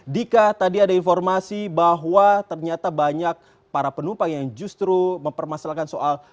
dika tadi ada informasi bahwa ternyata banyak para penumpang yang justru mempermasalahkan soal